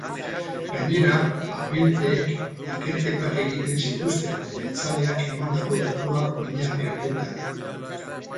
Gainera, agenteek ikerketak egiten zituzten, jeltzaleak emandako datuak oinarri hartuta.